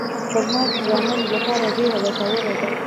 خرما د ځوانانو لپاره ډېره ګټوره ده.